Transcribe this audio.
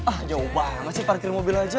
ah jauh banget sih parkir mobil aja